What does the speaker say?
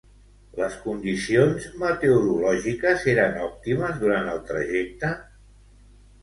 Les condicions meteorològiques eren òptimes durant el trajecte?